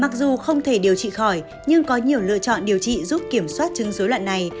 mặc dù không thể điều trị khỏi nhưng có nhiều lựa chọn điều trị giúp kiểm soát chứng dối loạn này